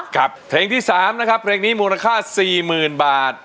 เพลงที่๓นะครับเพลงนี้มูลค่า๔๐๐๐บาท